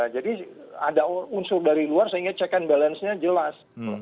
jadi ada unsur dari luar sehingga check in balance nya jelas